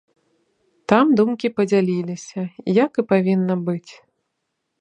Там думкі падзяліліся, як і павінна быць.